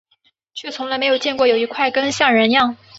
却从来没有见过有一块根像人样